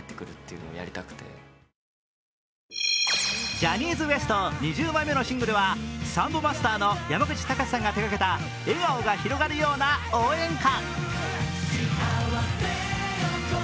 ジャニーズＷＥＳＴ、２０枚目のシングルはサンボマスターの山口隆さんが手がけた笑顔が広がるような応援歌。